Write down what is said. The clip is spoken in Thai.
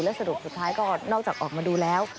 สรุปสุดท้ายก็นอกจากออกมาดูแล้ว